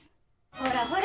ほらほら